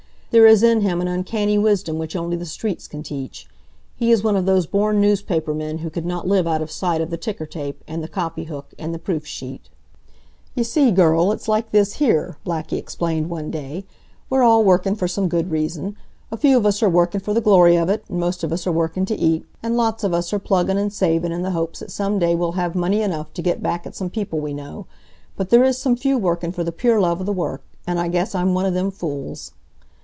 There is in him an uncanny wisdom which only the streets can teach. He is one of those born newspaper men who could not live out of sight of the ticker tape, and the copy hook and the proof sheet. "Y' see, girl, it's like this here," Blackie explained one day. "W're all workin' for some good reason. A few of us are workin' for the glory of it, and most of us are workin' t' eat, and lots of us are pluggin' an' savin' in the hopes that some day we'll have money enough to get back at some people we know; but there is some few workin' for the pure love of the work and I guess I'm one of them fools.